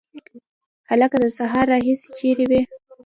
هلکه د سهار راهیسي چیري وې؟